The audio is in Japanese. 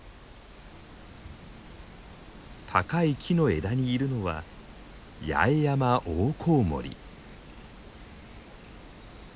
高い木の枝にいるのはヤエヤマオオコウモリ。